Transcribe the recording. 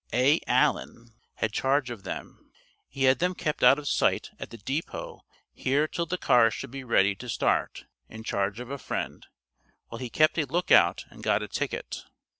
A. Allen had charge of them; he had them kept out of sight at the depot here till the cars should be ready to start, in charge of a friend, while he kept a lookout and got a ticket.